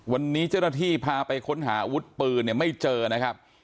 วันนี้เจ้าหน้าที่พาไปค้นหาอาวุธปืนเนี่ยไม่เจอนะครับ